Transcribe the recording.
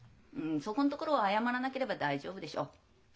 そこのところを誤らなければ大丈夫でしょう。